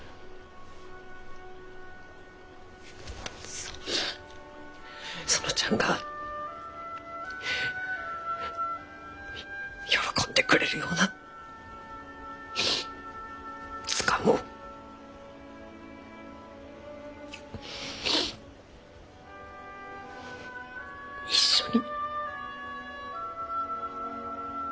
園ちゃん園ちゃんが喜んでくれるような図鑑を一緒に。